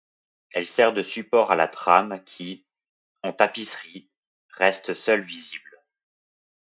Elle sert de support à la trame qui, en tapisserie, reste seule visible.